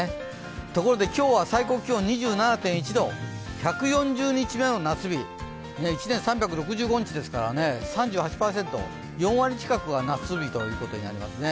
ところで今日は最高気温２７．１度１４０日目の夏日１年３６５日ですからね、３７％４割近くが夏日ということになりますね。